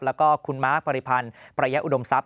แล้วก็คุณมาร์คปริพันธ์ประยะอุดมทรัพย